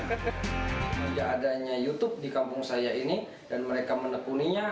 keadaannya youtube di kampung saya ini dan mereka menekuninya